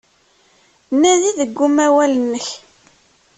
Nadi deg umawal-nnek.